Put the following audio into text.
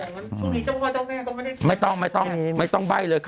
วันนี้เจ้าพ่อเจ้าแม่ก็ไม่ได้ไม่ต้องไม่ต้องใบ้เลย